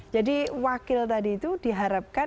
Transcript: jadi wakil tadi itu diharapkan